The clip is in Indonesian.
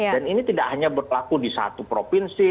dan ini tidak hanya berlaku di satu provinsi